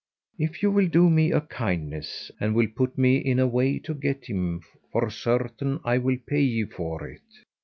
"If you will do me a kindness, and will put me in a way to get him, for certain I will pay ye for it."